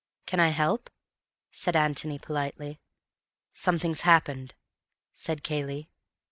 "Can I help?" said Antony politely. "Something's happened," said Cayley.